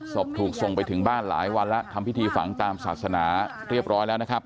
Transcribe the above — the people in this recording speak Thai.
ศพถูกส่งไปถึงบ้านหลายวันแล้วทำพิธีฝังตามศาสนาเรียบร้อยแล้วนะครับ